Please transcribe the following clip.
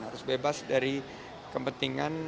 harus bebas dari kepentingan